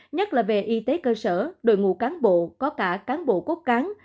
nhất là về y tế cơ sở đội ngũ cán bộ có cả cán bộ cốt cán